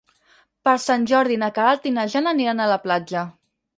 Per Sant Jordi na Queralt i na Jana aniran a la platja.